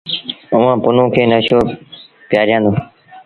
اُئآݩ پنهون کي نشو پيٚآريآندون۔